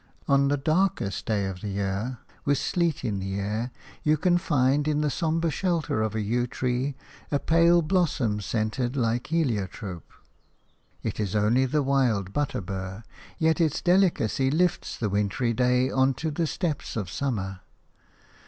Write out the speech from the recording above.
On the darkest day of the year, with sleet in the air, you can find in the sombre shelter of a yew tree a pale blossom scented like heliotrope. It is only the wild butterbur, yet its delicacy lifts the wintry day on to the steps of summer.